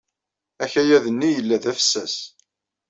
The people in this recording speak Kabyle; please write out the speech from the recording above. Akayad-nni yella d afessas.